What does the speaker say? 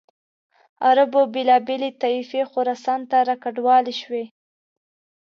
عربو بېلابېلې طایفې خراسان ته را کډوالې شوې.